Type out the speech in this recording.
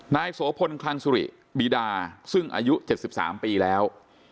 นายโสพลคลังสุริบีดาซึ่งอายุ๗๓ปีแล้ว